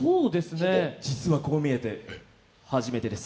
実はこう見えて初めてです。